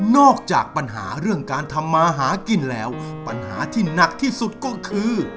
จากปัญหาเรื่องการทำมาหากินแล้วปัญหาที่หนักที่สุดก็คือ